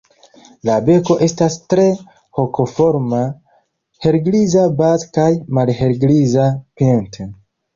La beko estas tre hokoforma, helgriza baze kaj malhelgriza pinte.